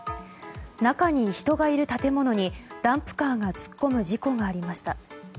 中に人がいる建物にダンプカーが突っ込む事故がありました。